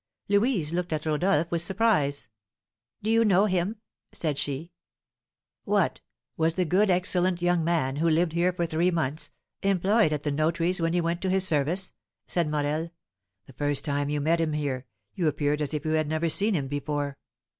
Louise looked at Rodolph with surprise. "Do you know him?" said she. "What! was the good, excellent young man, who lived here for three months, employed at the notary's when you went to his service?" said Morel. "The first time you met him here, you appeared as if you had never seen him before."